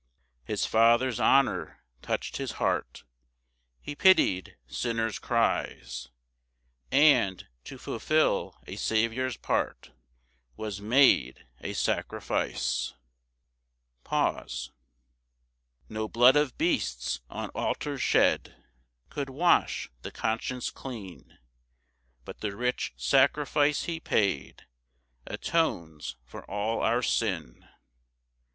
6 His Father's honour touch'd his heart, He pity'd sinners' cries, And, to fulfil a Saviour's part, Was made a sacrifice, PAUSE. 7 No blood of beasts on altars shed Could wash the conscience clean, But the rich sacrifice he paid Atones for all our sin.